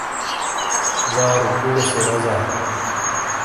ڙارو بوڑے سے رزا۔